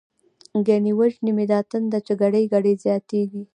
ګنی وژنی می دا تنده، چی ګړۍ ګړۍ زياتيږی